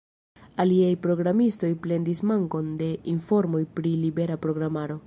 Aliaj programistoj plendis mankon de informoj pri libera programaro.